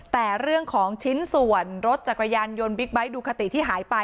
แต่เรื่องของชิ้นส่วนรถจักรยานยนต์บิ๊กไบท์ดูคาติที่หายไป